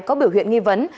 có biểu hiện nghi vấn